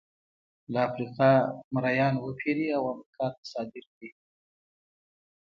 له افریقا مریان وپېري او امریکا ته صادر کړي.